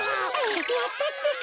やったってか。